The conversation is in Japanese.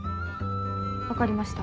分かりました。